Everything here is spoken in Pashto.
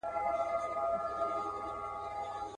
عطر دي د ښار پر ونو خپور کړمه.